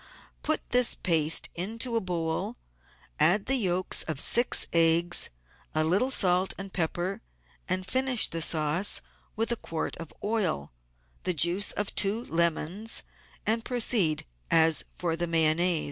Put this paste into a bowl, add the yolks of six eggs, a little salt and pepper, and finish the sauce with one quart of oil, the juice of two lemons, and proceed as for the Mayonnaise.